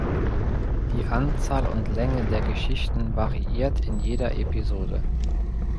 Die Anzahl und Länge der Geschichten variiert in jeder Episode.